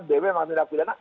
bw memang tidak pidana